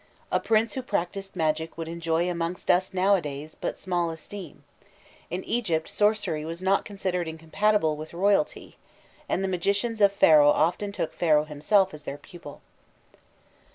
A prince who practised magic would enjoy amongst us nowadays but small esteem: in Egypt sorcery was not considered incompatible with royalty, and the magicians of Pharaoh often took Pharaoh himself as their pupil.